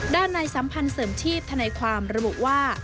ด้านในสัมพันธ์เสริมชีพธนายความระบุว่า